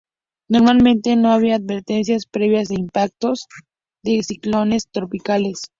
Normalmente, no había advertencias previas de impactos de ciclones tropicales.